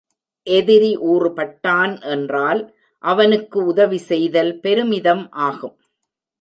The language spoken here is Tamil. எதிரி ஊறுபட்டான் என்றால் அவனுக்கு உதவிசெய்தல் பெருமிதம் ஆகும்.